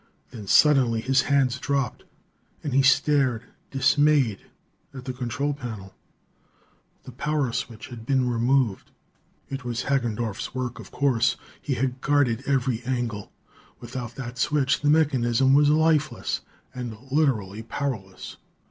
Then suddenly his hands dropped and he stared dismayed at the control panel. The power switch had been removed! It was Hagendorff's work, of course. He had guarded every angle. Without that switch, the mechanism was lifeless and literally powerless.